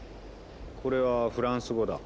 これはフランス語だ。